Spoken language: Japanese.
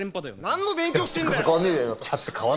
何の勉強してんだよ！